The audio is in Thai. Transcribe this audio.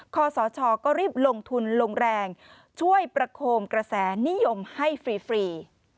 คอสชก็รีบลงทุนลงแรงช่วยประโคมกระแสนิยมให้ฟรี